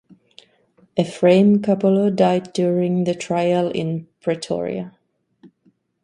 Ephraim Kapolo died during the trial in Pretoria.